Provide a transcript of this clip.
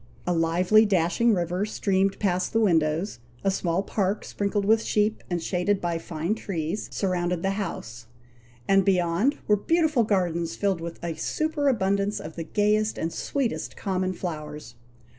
A lively, dashing river, streamed past the windows; a small park, sprinkled with sheep, and shaded by fine trees, surrounded the house; and beyond were beautiful gardens filled with a superabundance of the gayest and sweetest common flowers.